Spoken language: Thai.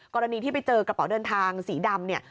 กรณีที่ไปเจอกระเป๋าเดินทางสีดำเนี่ย